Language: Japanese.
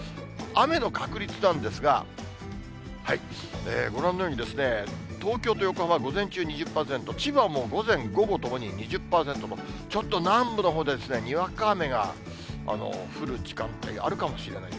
雨の確率なんですが、ご覧のように、東京と横浜は午前中、２０％、千葉も午前、午後ともに２０％と、ちょっと南部のほうでにわか雨が降る時間帯、あるかもしれない。